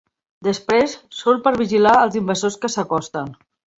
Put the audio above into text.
Després surt per vigilar els invasors que s'acosten.